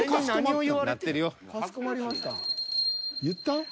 言った？